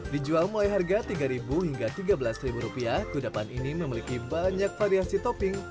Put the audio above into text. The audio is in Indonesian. dijual mulai harga tiga hingga tiga belas rupiah kudapan ini memiliki banyak variasi topping